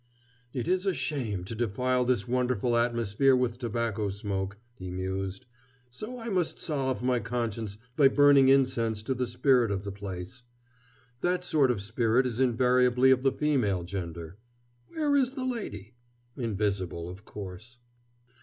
"It is a shame to defile this wonderful atmosphere with tobacco smoke," he mused, "so I must salve my conscience by burning incense to the spirit of the place. That sort of spirit is invariably of the female gender. Where is the lady? Invisible, of course."